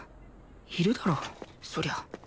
いるだろそりゃ